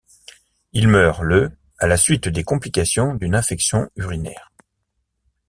Il meurt le à la suite des complications d'une infection urinaire.